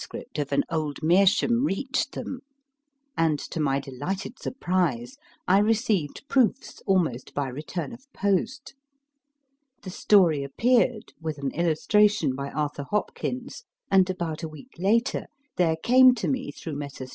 of * An Old Meerschaum reached them, and, to my delighted surprise, I received proofs almost by return of post. The story appeared, with an illustration by Arthur Hopkins, and, about a week later, there came to me, through Messrs.